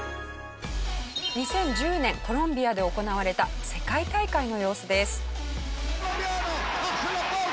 ２０１０年コロンビアで行われた世界大会の様子です。